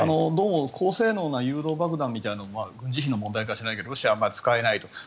どうも高性能な誘導爆弾みたいなのも軍事費の問題かもしれないけどロシアは使えないと。